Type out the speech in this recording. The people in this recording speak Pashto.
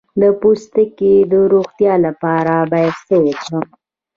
د پوستکي د روغتیا لپاره باید څه وکړم؟